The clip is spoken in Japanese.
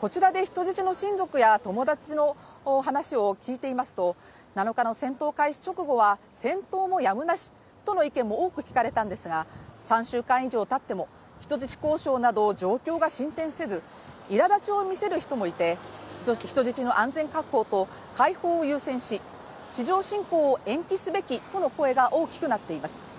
こちらで人質の親族や友達の話を聞いてみますと、７日の戦闘開始直後は戦闘もやむなしとの意見も多く聞かれたんですが、３週間以上たっても人質交渉など状況が進展せずいらだちを見せる人もいて人質の安全確保と解放を優先し、地上侵攻を延期すべきとの声が大きくなっています。